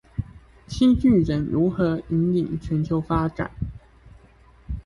七巨人如何引領全球發展